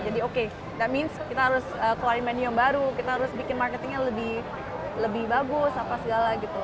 jadi okay that means kita harus keluarin menu yang baru kita harus bikin marketingnya lebih bagus apa segala gitu